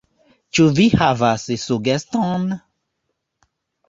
Ĉu vi havas sugeston?